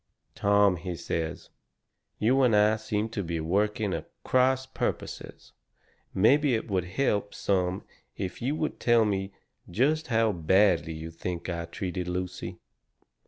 "Tom," he says, "you and I seem to be working at cross purposes. Maybe it would help some if you would tell me just how badly you think I treated Lucy."